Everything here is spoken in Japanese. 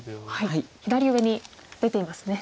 左上に出ていますね。